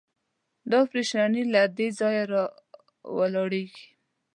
دا پرېشاني له دې ځایه راولاړېږي.